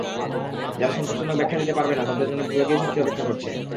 যারা সন্তোষজনক ব্যাখ্যা দিতে পারবে না, তাদের জন্য বিভাগীয় শাস্তি অপেক্ষা করছে।